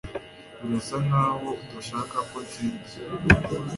Birasa nkaho udashaka ko ntsinda